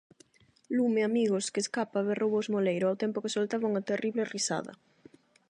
-Lume, amigos, que escapa! -berrou o esmoleiro, ao tempo que soltaba unha terrible risada.